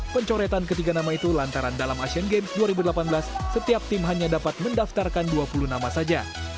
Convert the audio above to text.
pencoretan ketiga nama itu lantaran dalam asian games dua ribu delapan belas setiap tim hanya dapat mendaftarkan dua puluh nama saja